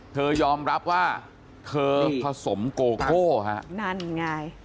เธอยอมรับว่าเธอผสมโกโก้ฮะนั่นไง